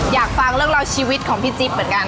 อยากฟังเรื่องราวชีวิตของพี่จิ๊บเหมือนกัน